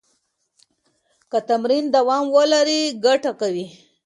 که تمرین دوام ولري، ګټه کوي.